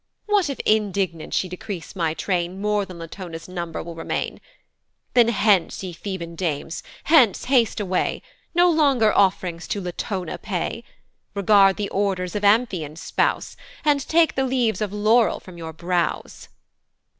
"What if indignant she decrease my train "More than Latona's number will remain; "Then hence, ye Theban dames, hence haste away, "Nor longer off'rings to Latona pay; "Regard the orders of Amphion's spouse, "And take the leaves of laurel from your brows."